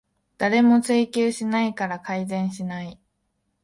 誰も追及しないから改善しない